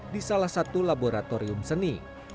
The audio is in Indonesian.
di salah satu laboratorium seni